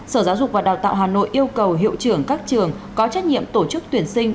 sở giáo dục và đào tạo hà nội yêu cầu hiệu trưởng các trường có trách nhiệm tổ chức tuyển sinh